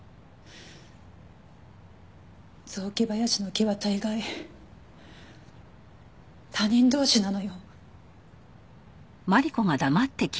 雑木林の木は大概他人同士なのよ。